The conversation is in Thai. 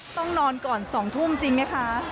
ต้องนอนก่อน๒ทุ่มจริงไหมคะ